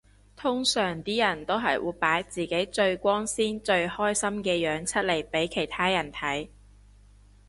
通常啲人都係會擺自己最光鮮最開心嘅樣出嚟俾其他人睇